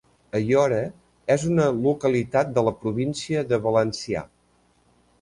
Aiora és una localitat de la província de Valencià.